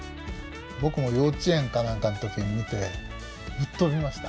僕も幼稚園か何かの時に見てぶっ飛びました。